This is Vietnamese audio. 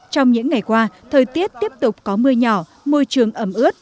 trong những ngày qua thời tiết tiếp tục có mưa nhỏ môi trường ẩm ướt